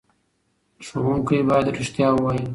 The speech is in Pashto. ښوونکي باید رښتیا ووايي.